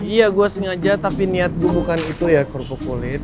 iya gue sengaja tapi niat gue bukan itu ya kerupuk kulit